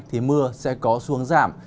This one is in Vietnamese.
thì mưa sẽ có xuống giảm